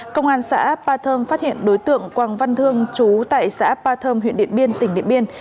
công an xã appa thơm phát hiện đối tượng quang văn thương trú tại xã appa thơm huyện điện biên tỉnh điện biên